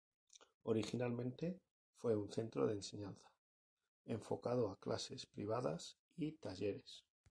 Originalmente fue un centro de enseñanza, enfocado a clases privadas y talleres.